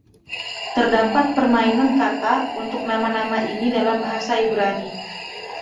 Terdapat permainan kata untuk nama-nama ini dalam bahasa Ibrani.